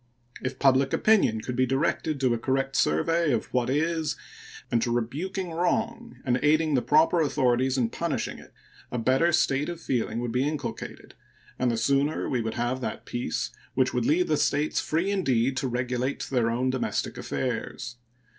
If public opinion could be directed to a correct survey of what is and to rebuking wrong and aiding the proper authorities in punishing it, a better state of feeling would be inculcated, and the sooner we would have that peace which would leave the States free indeed to regulate their own domestic affairs.